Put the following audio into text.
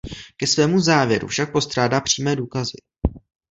Ke svému závěru však postrádá přímé důkazy.